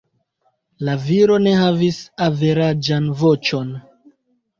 La viro ne havis averaĝan voĉon.